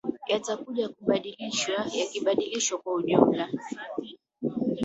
yatakuja kubadilishwa yakibadilishwa kwa ujumla